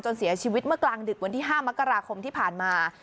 เสียชีวิตเมื่อกลางดึกวันที่๕มกราคมที่ผ่านมา